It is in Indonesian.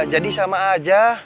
jadi sama aja